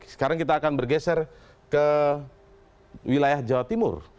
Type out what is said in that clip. sekarang kita akan bergeser ke wilayah jawa timur